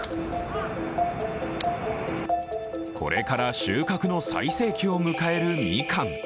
これから収穫の最盛期を迎えるみかん。